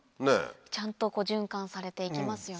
ちゃんと循環されていきますよね。